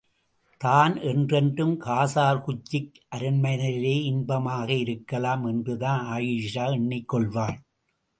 தான் என்றென்றும் காசர் குச்சிக் அரண்மனையிலேயே இன்பமாக இருக்கலாம் என்றுதான் ஆயீஷா எண்ணிக் கொள்வாள்.